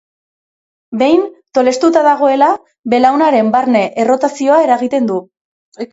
Behin tolestuta dagoela belaunaren barne errotazioa eragiten du.